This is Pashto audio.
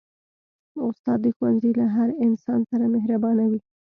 استاد د ښوونځي له هر انسان سره مهربانه وي.